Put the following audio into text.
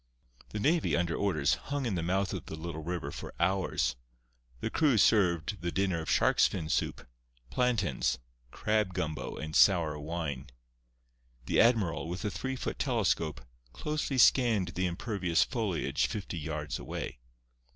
The navy, under orders, hung in the mouth of the little river for hours. The crew served the dinner of shark's fin soup, plantains, crab gumbo and sour wine. The admiral, with a three foot telescope, closely scanned the impervious foliage fifty yards away.